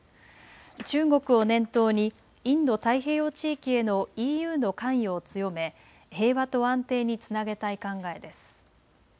中国を念頭にインド太平洋地域へのＥＵの関与を強め平和と安定につなげたい考えです。